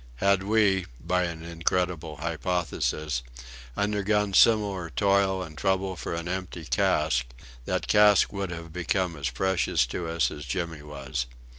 Had we (by an incredible hypothesis) undergone similar toil and trouble for an empty cask, that cask would have become as precious to us as Jimmy was.